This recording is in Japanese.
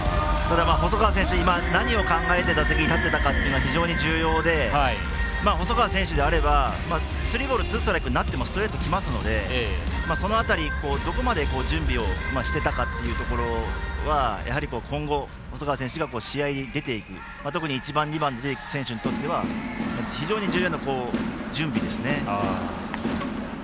細川選手、今、何を考えて打席に立ってたかというのが非常に重要で、細川選手であればスリーボールツーストライクになってもストレートきますのでその辺り、どこまで準備をしていたかというのはやはり今後、細川選手が試合に出ていく１番、２番で出ていく選手にとっては非常に重要な準備ですね。